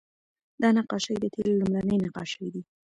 دا نقاشۍ د تیلو لومړنۍ نقاشۍ دي